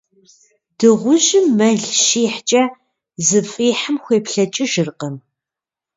Дыгъужьым мэл щихькӏэ, зыфӏихьым хуеплӏэкӏыжыркъым.